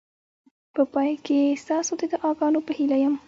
په پای کې ستاسو د دعاګانو په هیله یم.